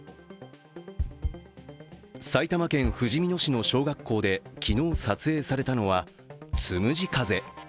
埼玉県ふじみ野市の小学校で昨日撮影されたのは、つむじ風。